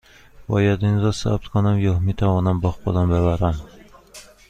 باید این را ثبت کنم یا می توانم با خودم ببرم؟